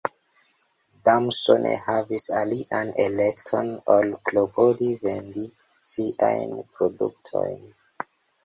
Damso ne havis alian elekton ol klopodi vendi siajn produktojn.